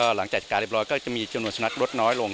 หลังจากการเรียบร้อยก็จะมีจำนวนสุนัขลดน้อยลง